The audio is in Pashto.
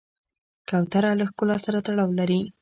کوتره له ښکلا سره تړاو لري.